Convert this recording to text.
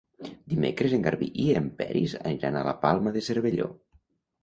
Dimecres en Garbí i en Peris aniran a la Palma de Cervelló.